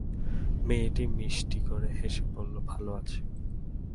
মেয়েটি মিষ্টি করে হেসে বলল, ভালো আছি।